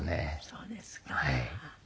そうですか。